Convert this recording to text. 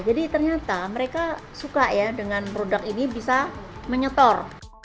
jadi ternyata mereka suka ya dengan produk ini bisa menyetor